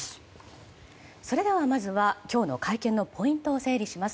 それでは、まずは今日の会見のポイントを整理します。